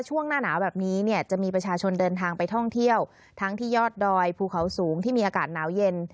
ช่วงหน้าหนาวแบบนี้เนี่ยจะมีประชาชนเดินทางไปท่องเที่ยวทั้งที่ยอดดอยภูเขาสูงที่มีอากาศหนาวเย็น